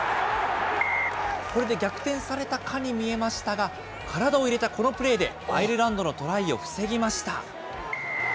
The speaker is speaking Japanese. これで逆転されたかに見えましたが、体を入れたこのプレーで、アイルランドのトライを防ぎました。